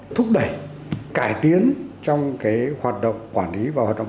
thúc đẩy cải tiến trong hoạt động quản lý